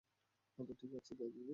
ঠিক আছে, দাদাজি।